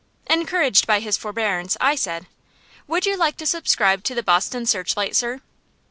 Encouraged by his forbearance, I said: "Would you like to subscribe to the 'Boston Searchlight,' sir?"